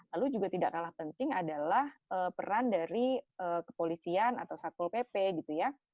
lalu juga tidak kalah penting adalah peran dari kepolisian atau satpol pp gitu ya